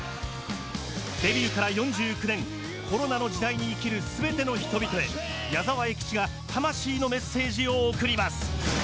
デビューから４９年コロナの時代に生きる全ての人々へ矢沢永吉が魂のメッセージを贈ります！